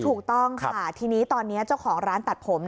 ถูกต้องค่ะทีนี้ตอนนี้เจ้าของร้านตัดผม